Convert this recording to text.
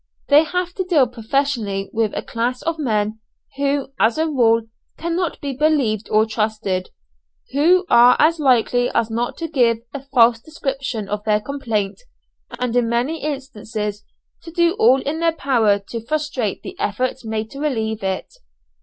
They have to deal professionally with a class of men who, as a rule, cannot be believed or trusted; who are as likely as not to give a false description of their complaint, and in many instances to do all in their power to frustrate the efforts made to relieve it.